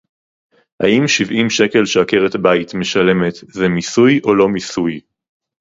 האם שבעים שקל שעקרת-בית משלמת זה מיסוי או לא מיסוי